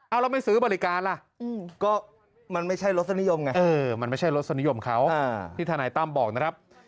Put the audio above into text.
เอาแล้วไม่ซื้อบริการล่ะก็มันไม่ใช่รสนิยมไงมันไม่ใช่รสนิยมเขาที่ทนายตั้มบอกนะครับ